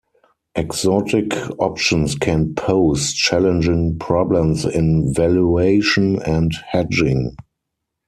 Exotic options can pose challenging problems in valuation and hedging.